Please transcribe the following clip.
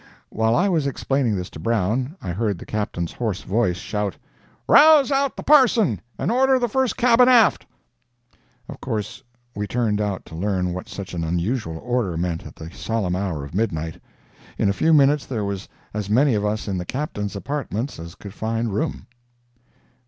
While I was explaining this to Brown, I heard the Captain's hoarse voice shout: "Rouse out the parson, and order the first cabin aft." Of course, we turned out to learn what such an unusual order meant at the solemn hour of midnight. In a few minutes there were as many of us in the Captain's apartments as could find room.